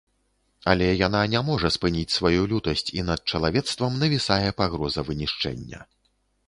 Але яна не можа спыніць сваю лютасць, і над чалавецтвам навісае пагроза вынішчэння.